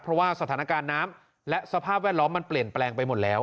เพราะว่าสถานการณ์น้ำและสภาพแวดล้อมมันเปลี่ยนแปลงไปหมดแล้ว